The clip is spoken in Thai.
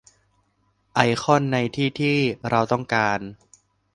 ไอคอนในที่ที่เราต้องการ